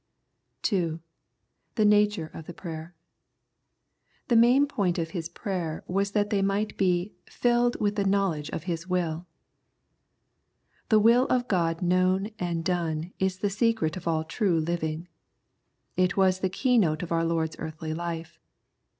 2. The Nature of the Prayer. The main point of his prayer was that they might be " filled with the knowledge of His wilL^^ The will of God known and done is the secret of all true living. It was the key note of our Lord's earthly life.